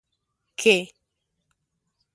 کې